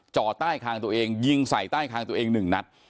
ใต้คางตัวเองยิงใส่ใต้คางตัวเองหนึ่งนัด